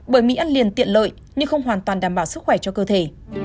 bởi mỹ ăn liền tiện lợi nhưng không hoàn toàn đảm bảo sức khỏe cho cơ thể